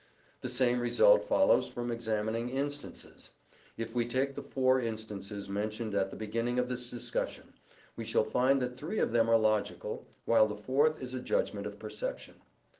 The same result follows from examining instances. If we take the four instances mentioned at the beginning of this discussion, we shall find that three of them are logical, while the fourth is a judgment of perception.